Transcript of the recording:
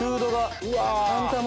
うわ！